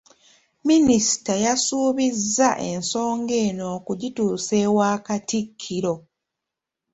Minisita yasuubizza ensonga eno okugituusa ewa Katikkiro.